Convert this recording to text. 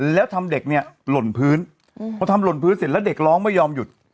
แล้วทำเด็กเนี่ยหล่นพื้นพอทำหล่นพื้นเสร็จแล้วเด็กร้องไม่ยอมหยุด